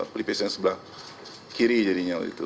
pelipis yang sebelah kiri jadinya